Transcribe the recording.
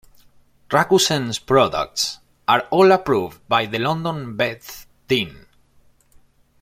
Rakusen's products are all approved by the London Beth Din.